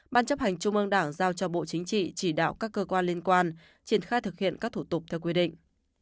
ban chấp hành trung ương đảng giao cho bộ chính trị chỉ đạo các cơ quan liên quan triển khai thực hiện các thủ tục theo quy định